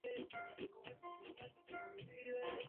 Por aquel entonces, Gullit jugaba con el nombre de Ruud Dil.